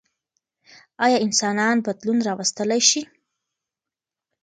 ايا انسانان بدلون راوستلی شي؟